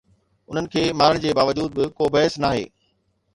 انهن کي مارڻ جي باوجود به ڪو بحث ناهي.